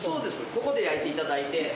ここで焼いていただいて。